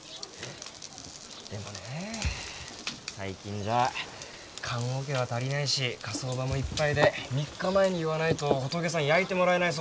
でもね最近じゃ棺桶は足りないし火葬場もいっぱいで３日前に言わないとホトケさん焼いてもらえないそうですよ。